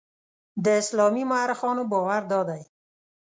د اسلامي مورخانو باور دادی.